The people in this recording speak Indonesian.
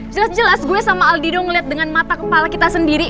jelas jelas gue sama aldido ngeliat dengan mata kepala kita sendiri